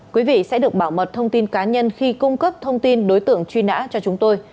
quý vị sẽ được bảo mật thông tin cá nhân khi cung cấp thông tin đối tượng truy nã cho chúng tôi